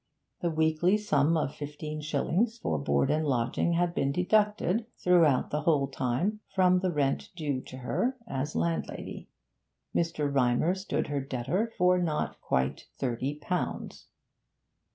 The weekly sum of fifteen shillings for board and lodging had been deducted, throughout the whole time, from the rent due to her as landlady. Mr. Rymer stood her debtor for not quite thirty pounds.